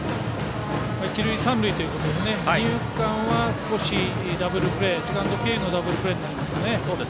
一塁三塁ということで二遊間は少しセカンド経由のダブルプレーとなりますかね。